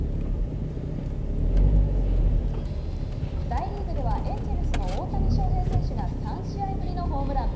大リーグではエンジェルスの大谷翔平選手が３試合ぶりのホームラン。